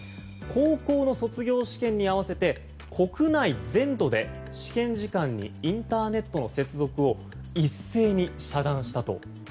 高校の卒業試験に合わせて国内全土で試験時間にインターネットの接続を一斉に遮断したと。